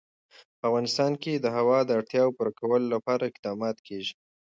په افغانستان کې د هوا د اړتیاوو پوره کولو لپاره اقدامات کېږي.